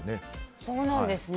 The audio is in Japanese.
そうなんですね。